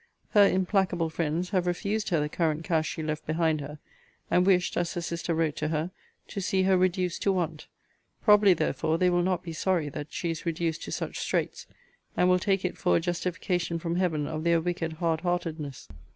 Her implacable friends have refused her the current cash she left behind her; and wished, as her sister wrote to her, to see her reduced to want: probably therefore they will not be sorry that she is reduced to such straights; and will take it for a justification from Heaven of their wicked hard heartedness.